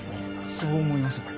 そう思います